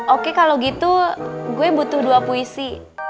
oke kalau gitu gue butuh dua puisi